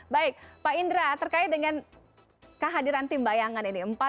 baik pak indra terkait dengan kehadiran tim bayangan ini